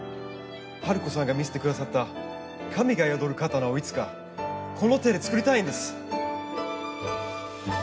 ハルコさんが見せてくださった神が宿る刀をいつかこの手で作りたいんです。